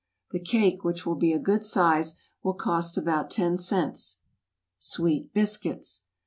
The cake, which will be a good size, will cost about ten cents. =Sweet Biscuits.